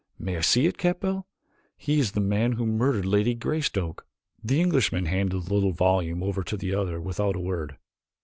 "May I see it, Capell? He is the man who murdered Lady Greystoke." The Englishman handed the little volume over to the other without a word.